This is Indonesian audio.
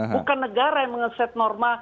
bukan negara yang mengeset norma